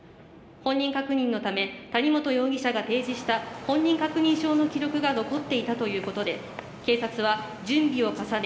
本人確認のため谷本容疑者が提示した本人確認証の記録が残っていたということで、警察は準備を重ね